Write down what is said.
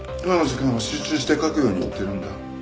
今の時間は集中して描くように言ってるんだ。